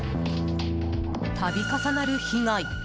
度重なる被害。